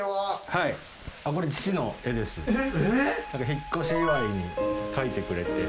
引っ越し祝いに描いてくれて。